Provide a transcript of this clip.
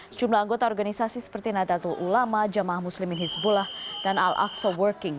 sejumlah anggota organisasi seperti nadatul ulama jamaah muslimin hizbullah dan al aqsa working